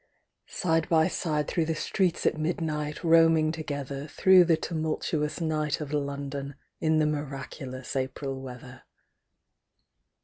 SIDE by side through the streets at mid night, Roaming together, Through the tumultuous night of London, In the miraculous April weather.